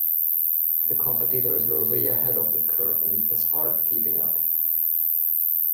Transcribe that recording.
The competitors were way ahead of the curve and it was hard keeping up.